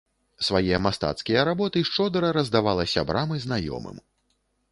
Свае мастацкія работы шчодра раздавала сябрам і знаёмым.